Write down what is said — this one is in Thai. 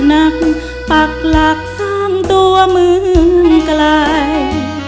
นักปักหลัก๓ตัวเมืองไกล